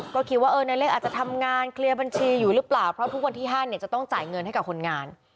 ก็คิดว่านายเล็กอาจจะทำงานเคลียร์บัญชีอยู่หรือเปล่าเพราะทุกวันที่๕เนี่ยจะต้องจ่ายเงินให้กับคนงาน